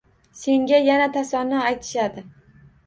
Senga yana tasanno aytishadi